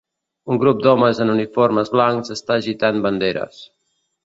Un grup d'homes en uniformes blancs estan agitant banderes.